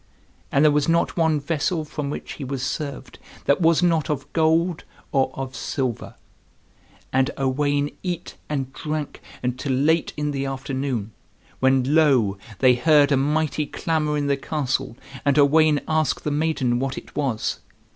And there was not one vessel from which he was served that was not of gold or of silver. And Owain eat and drank until late in the afternoon, when lo! they heard a mighty clamor in the castle, and Owain asked the maiden what it was.